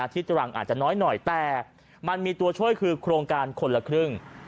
ตรังอาจจะน้อยหน่อยแต่มันมีตัวช่วยคือโครงการคนละครึ่ง